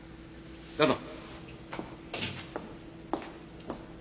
どうぞ。